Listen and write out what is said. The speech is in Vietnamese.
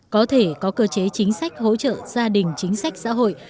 có thể có cơ chế chính sách hỗ trợ gia đình chính sách xã hội